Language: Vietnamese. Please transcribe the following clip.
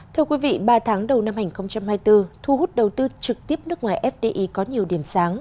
thưa quý vị ba tháng đầu năm hai nghìn hai mươi bốn thu hút đầu tư trực tiếp nước ngoài fdi có nhiều điểm sáng